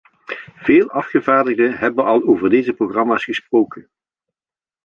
Veel afgevaardigden hebben al over deze programma's gesproken.